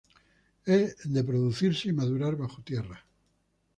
Es de producirse y madurar bajo tierra.